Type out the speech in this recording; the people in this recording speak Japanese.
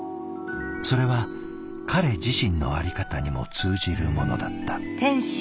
それは彼自身の在り方にも通じるものだった。